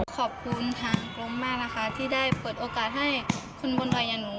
ขอบคุณทางกรมมากนะคะที่ได้เปิดโอกาสให้คนบนวัยอย่างหนู